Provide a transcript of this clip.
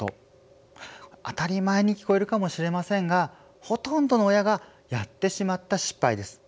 当たり前に聞こえるかもしれませんがほとんどの親がやってしまった失敗です。